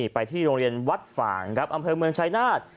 ไปที่โรงเรียนวัดฝ่างครับอำเภอเมืองชายนาฏ